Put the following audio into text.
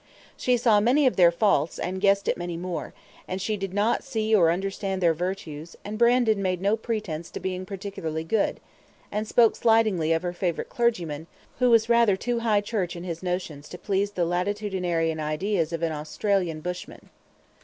She saw many of their faults, and guessed at many more, and she did not see or understand their virtues; and Brandon made no pretence to being particularly good, and spoke slightingly of her favourite clergyman, who was rather too High Church in his notions to please the latitudinarian ideas of an Australian bushman.